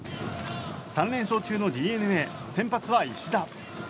３連勝中のＤｅＮＡ先発は石田。